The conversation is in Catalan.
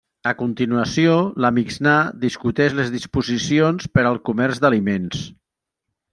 A continuació, la Mixnà discuteix les disposicions per al comerç d'aliments.